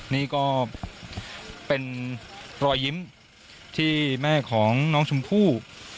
นี่ก็เป็นรอยยิ้มที่แม่ของน้องชมพู่